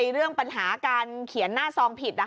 เรื่องปัญหาการเขียนหน้าซองผิด